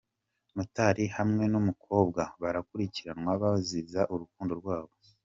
Motari hamwe n’umukobwa barakurikiranwa babaziza urukundo rwabo.